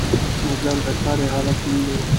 مصدر د کار یا حالت نوم دئ.